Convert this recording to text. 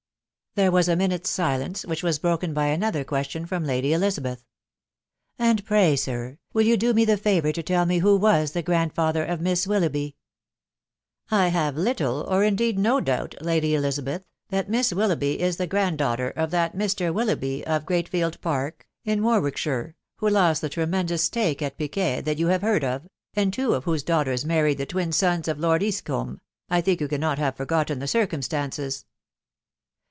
There was a minute's silence, which was broken by another question from Lady Elizabeth. " And pray, sir, will you do me the favour to tell me who was the grandfather of Miss Willoughby ?"" I have little, or indeed no doubt, Lady Elizabeth, that Miss Willoughby is the grand daughter of that Mr. Wil loughby, of Greatfield Park, in Warwickshire, who lost the tremendous stake at piquet that you have heard of, and two of whose daughters married the twin sons of Lord Eastcombe I think you cannot have forgotten the circumstances."